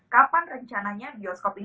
kapan rencananya geoskop ini